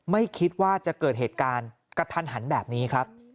ไม่คิดว่าจะเกิดเหตุการณ์กระทันหันแบบนี้ครับ